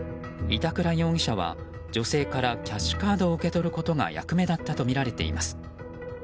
板倉容疑者は女性からキャッシュカードを受け取ることが役目だったとみられています。